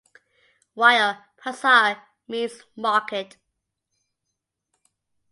While "pasar" means "market".